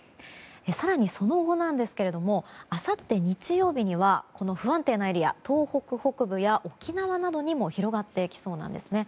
更にその後なんですけどあさって日曜日には不安定なエリア東北北部や沖縄などにも広がってきそうなんですね。